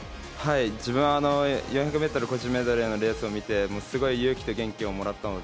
自分は４００ｍ個人メドレーのレースを見て、勇気と元気をもらったので。